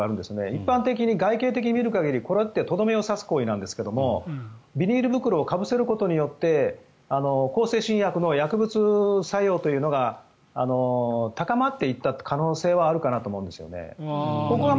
一般的に、外形的に見る限りこれってとどめを刺す行為なんですがビニール袋をかぶせることによって向精神薬の薬物作用というのが高まっていった可能性はあるかなと思うんですよね。